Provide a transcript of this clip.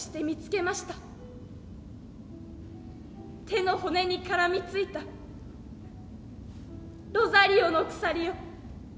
手の骨に絡みついたロザリオの鎖を。